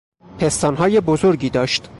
پستانهای بزرگی داشت.